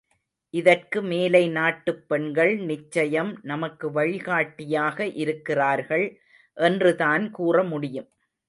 இதற்கு மேலை நாட்டுப் பெண்கள் நிச்சயம் நமக்கு வழிகாட்டியாக இருக்கிறார்கள் என்றுதான் கூறமுடியும்.